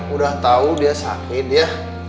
udah tahu dia sakit ya